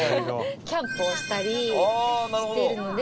キャンプをしたりしてるので。